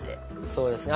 そうですね